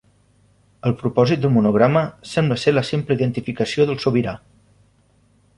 El propòsit del monograma sembla ser la simple identificació del sobirà.